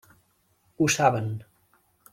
Ho saben.